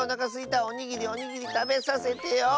おにぎりおにぎりたべさせてよ！